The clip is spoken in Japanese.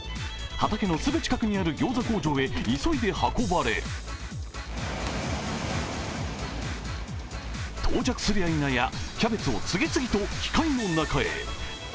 畑のすぐ近くにあるギョーザ工場へ急いで運ばれ、到着するやいなや、キャベツを次々と機械の中へ。